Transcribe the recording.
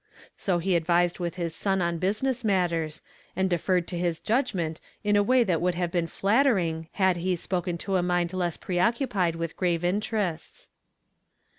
So he advised witli his son on business matters, and deferred to his judgment in a way tliat would have been flattering had he spoken to a mind less preoccupied with grave in terests.